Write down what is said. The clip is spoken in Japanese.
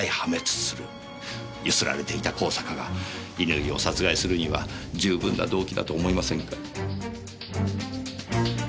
ゆすられていた香坂が乾を殺害するには十分な動機だと思いませんか？